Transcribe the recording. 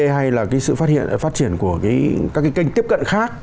hay là sự phát triển của các kênh tiếp cận khác